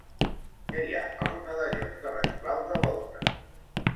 Què hi ha als medallons de les claus de volta?